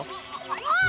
あっ！